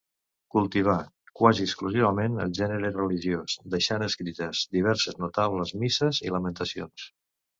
Cultivà quasi exclusivament el gènere religiós, deixant escrites diverses notables misses i lamentacions.